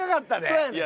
そやねん。